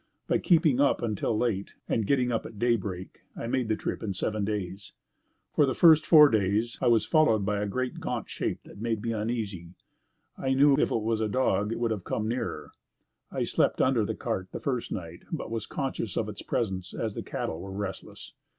By keeping up until late, and getting up at daybreak, I made the trip in seven days. For the first four days I was followed by a great gaunt shape that made me uneasy. I knew if it was a dog it would have come nearer. I slept under the cart the first night, but was conscious of its presence as the cattle were restless.